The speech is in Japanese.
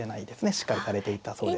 しっかりされていたそうですし。